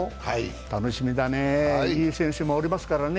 楽しみだねえ、いい選手もおりますからね。